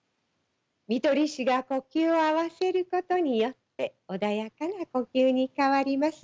看取り士が呼吸を合わせることによって穏やかな呼吸に変わります。